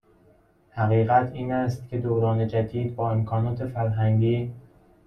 حقیقت این است که دوران جدید با امکانات فرهنگی